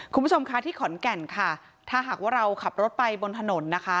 คุณผู้ชมคะที่ขอนแก่นค่ะถ้าหากว่าเราขับรถไปบนถนนนะคะ